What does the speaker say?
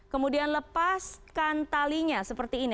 kemudian lepaskan talinya seperti ini